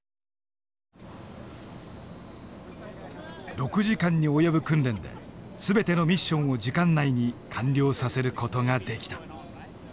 ６時間に及ぶ訓練で全てのミッションを時間内に完了させる事ができた。